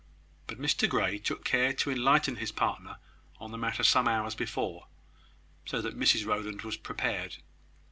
But Mr Grey took care to enlighten his partner on the matter some hours before; so that Mrs Rowland was prepared.